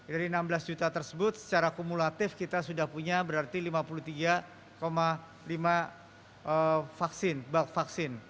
dari enam belas juta tersebut secara kumulatif kita sudah punya berarti lima puluh tiga lima vaksin